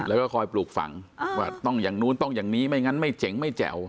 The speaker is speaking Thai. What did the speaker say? แล้วก็คอยปลูกฝังว่าต้องอย่างนู้นต้องอย่างนี้ไม่งั้นไม่เจ๋งไม่แจ๋ว